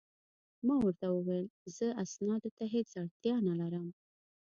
ما ورته وویل: زه اسنادو ته هیڅ اړتیا نه لرم.